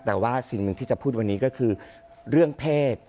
แต่ว่าสิ่งหนึ่งที่จะพูดวันนี้ก็คือเรื่องเพศ